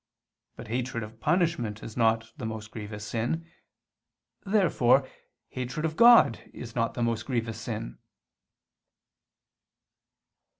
But hatred of punishment is not the most grievous sin. Therefore hatred of God is not the most grievous sin.